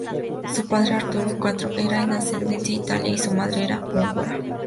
Su padre, Arthur Quatro, era de ascendencia italiana, y su madre era húngara.